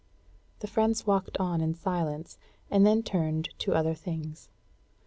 The friends walked on in silence, and then turned to other things.